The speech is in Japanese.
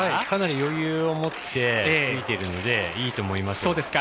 かなり余裕を持ってついているのでいいと思います。